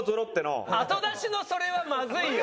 後出しのそれはまずいよ。